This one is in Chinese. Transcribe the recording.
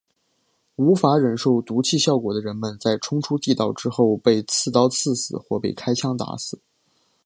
无法忍受毒气效果的人们在冲出地道口之后被刺刀刺死或者被开枪打死。